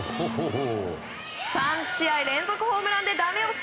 ３試合連続ホームランでダメ押し。